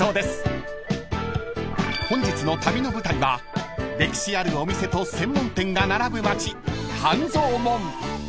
［本日の旅の舞台は歴史あるお店と専門店が並ぶ街半蔵門］